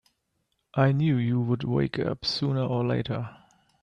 I knew you'd wake up sooner or later!